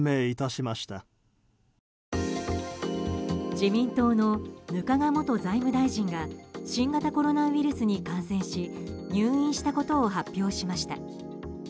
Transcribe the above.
自民党の額賀元財務大臣が新型コロナウイルスに感染し入院したことを発表しました。